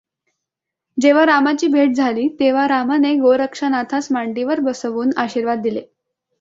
जेव्हा रामाची भेट झाली, तेव्हा रामाने गोरक्षनाथास मांडीवर बसवून आशीर्वाद दिले.